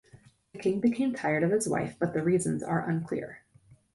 The King became tired of his wife but the reasons are unclear.